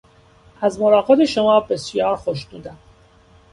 از ملاقات شما بسیار خوشنودم.